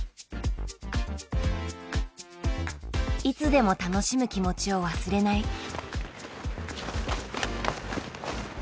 いつでも楽しむ気持ちを忘れない。